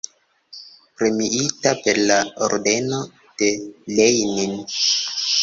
Premiita per la ordeno de Lenin.